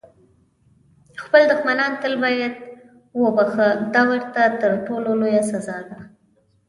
خپل دښمنان تل باید وبخښه، دا ورته تر ټولو لویه سزا ده.